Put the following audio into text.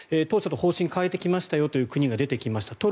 当初とは方針を変えてきましたよという国が出てきました。